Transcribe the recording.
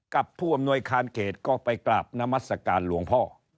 กับผู้อำนวยการเขตก็ไปกราบนมัศกาลหลวงพ่อ